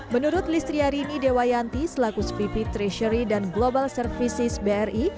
menurut listriarini dewayanti selaku spp treasury dan global services bri